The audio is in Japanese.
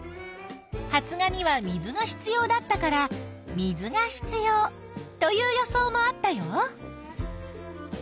「発芽には水が必要だったから水が必要」という予想もあったよ。